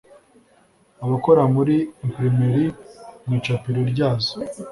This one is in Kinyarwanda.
abakora muri imprimerie mu icapiro ryazo